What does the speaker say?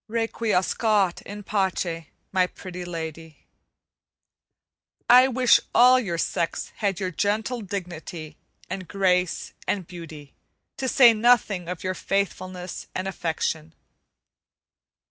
Requiescat in pace, my Pretty Lady. I wish all your sex had your gentle dignity, and grace, and beauty, to say nothing of your faithfulness and affection.